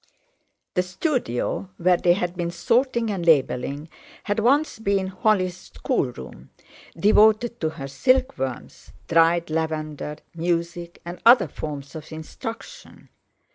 The studio, where they had been sorting and labelling, had once been Holly's schoolroom, devoted to her silkworms, dried lavender, music, and other forms of instruction.